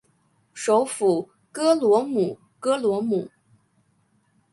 首府戈罗姆戈罗姆。